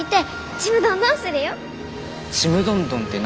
ちむどんどんって何？